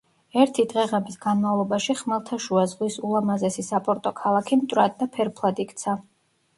ერთი დღე-ღამის განმავლობაში ხმელთაშუა ზღვის ულამაზესი საპორტო ქალაქი მტვრად და ფერფლად იქცა.